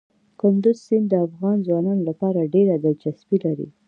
کندز سیند د افغان ځوانانو لپاره ډېره دلچسپي لري.